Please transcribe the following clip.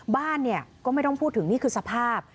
บ้านเนี่ยก็ไม่ต้องพูดถึงนี่คือสภาพ